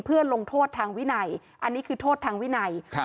เพื่อลงโทษทางวินัยอันนี้คือโทษทางวินัยครับ